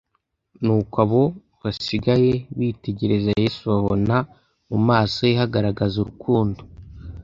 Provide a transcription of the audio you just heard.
nuko abo basigaye bitegereza Yesu, babona mu maso he hagaragaza urukundo.